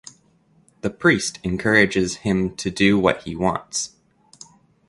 The priest encourages him to do what he wants.